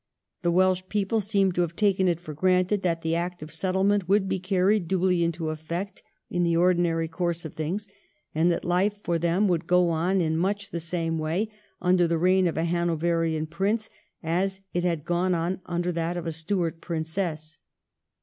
The Welsh people seem to have taken it for granted that the Act of Settlement would be carried duly into effect in the ordinary course of things, and that life for them would go on in much the same way under the reign of a Hanoverian Prince as it had gone on under that of a Stuart Princess.